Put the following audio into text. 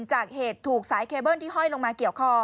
จากเหตุถูกสายเคเบิ้ลที่ห้อยลงมาเกี่ยวคอ